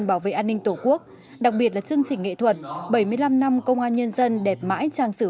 bảo vệ an ninh tổ quốc đặc biệt là chương trình nghệ thuật bảy mươi năm năm công an nhân dân đẹp mãi trang sử